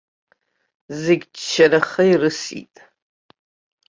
Зегьы ччараха ирысит.